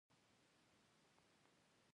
زه به ډېره مرسته وکړم.